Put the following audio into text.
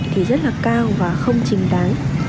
thì rất là cao và không trình đáng